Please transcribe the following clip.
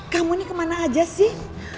kamu ini kemana aja sih